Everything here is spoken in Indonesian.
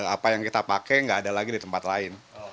apa yang kita pakai nggak ada lagi di tempat lain